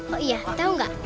oh iya tau gak